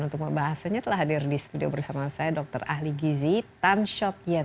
untuk membahasnya telah hadir di studio bersama saya dr ahli gizi tan shop yen